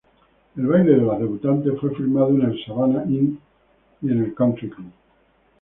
El baile de las debutantes fue filmado en el Savannah Inn and Country Club.